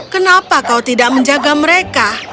kenapa kau tidak menjaga mereka